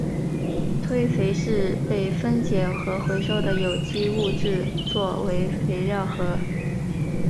堆肥是被分解和回收的有机物质作为肥料和。